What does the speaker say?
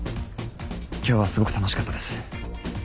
今日はすごく楽しかったです。